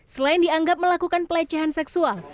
selain dianggap melakukan pelecehan seksual